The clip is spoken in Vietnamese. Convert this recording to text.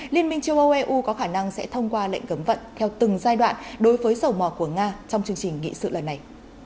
liên minh châu âu eu có khả năng sẽ thông qua lệnh cấm vận theo từng giai đoạn đối với dầu mỏ của nga trong chương trình nghị sự lần này